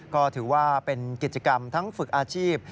ก็ถือว่าเป็นกิจกรรมทั้งฝึกอาชีพ